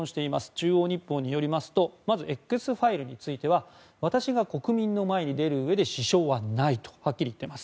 中央日報によりますとまずＸファイルについては私が国民の前に出るうえで支障はないとはっきり言っています。